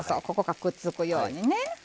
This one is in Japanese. ここがくっつくようにね。